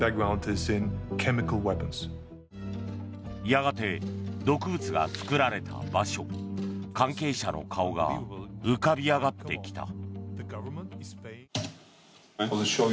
やがて、毒物が作られた場所関係者の顔が浮かび上がってきた。